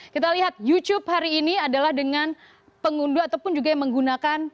kita lihat youtube hari ini adalah dengan pengunduh ataupun juga yang menggunakan